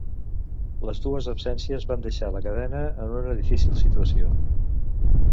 Les dues absències van deixar la cadena en una difícil situació.